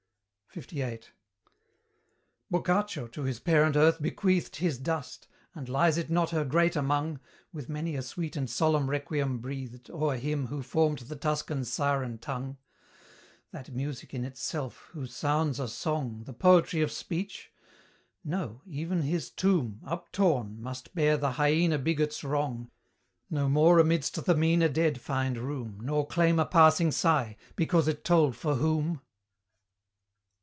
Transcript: LVIII. Boccaccio to his parent earth bequeathed His dust, and lies it not her great among, With many a sweet and solemn requiem breathed O'er him who formed the Tuscan's siren tongue? That music in itself, whose sounds are song, The poetry of speech? No; even his tomb Uptorn, must bear the hyaena bigots' wrong, No more amidst the meaner dead find room, Nor claim a passing sigh, because it told for WHOM?